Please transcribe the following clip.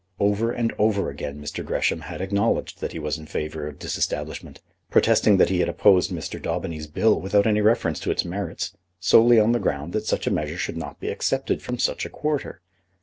Over and over again Mr. Gresham had acknowledged that he was in favour of disestablishment, protesting that he had opposed Mr. Daubeny's Bill without any reference to its merits, solely on the ground that such a measure should not be accepted from such a quarter.